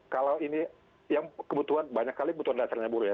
kalau ini yang kebutuhan banyak kali kebutuhan dasarnya buruh ya